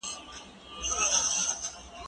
هغه څوک چي شګه پاکوي منظم وي؟